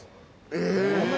え！